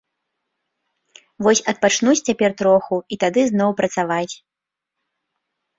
Вось адпачнуць цяпер троху і тады зноў працаваць.